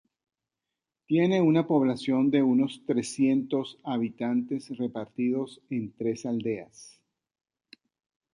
Tiene una población de unos trescientos habitantes repartidos en tres aldeas.